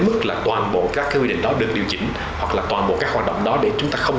mức là toàn bộ các quy định đó được điều chỉnh hoặc là toàn bộ các hoạt động đó để chúng ta không